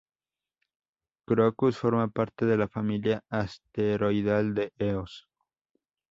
Crocus forma parte de la familia asteroidal de Eos.